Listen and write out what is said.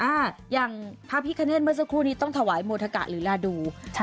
อ้าอย่างพระพิคเนศเมื่อสักครู่นี้ต้องถวายโหมทะกะหรือราดูใช่ค่ะ